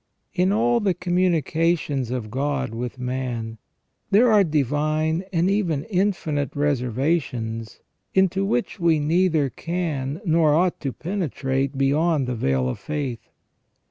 In all the communications of God with man there are divine and even infinite reservations, into which we neither can nor ought to penetrate beyond the veil of faith.